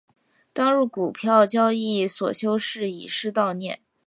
当日股票交易所休市以示悼念。